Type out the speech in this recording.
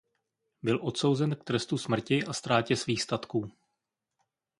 Byl odsouzen k trestu smrti a ztrátě svých statků.